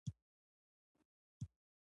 په پښتو کې شفاخانې ته روغتون ویل کیږی.